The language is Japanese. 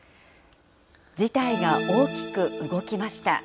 事態が大きく動きました。